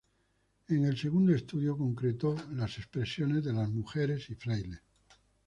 En el segundo estudio concretó las expresiones de las mujeres y frailes.